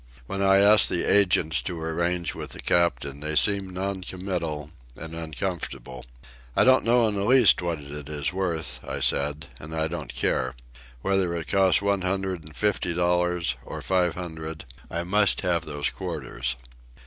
When I asked the agents to arrange with the captain they seemed non committal and uncomfortable. "I don't know in the least what it is worth," I said. "And I don't care. Whether it costs one hundred and fifty dollars or five hundred, I must have those quarters."